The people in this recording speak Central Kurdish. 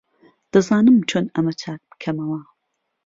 دەزانم چۆن ئەمە چاک بکەمەوە.